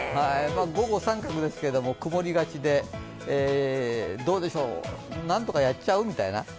午後△ですけれども曇りがちでどうでしょう、何とかやっちゃう？みたいな。